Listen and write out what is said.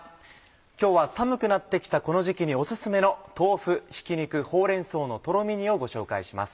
今日は寒くなって来たこの時期にオススメの「豆腐ひき肉ほうれん草のとろみ煮」をご紹介します。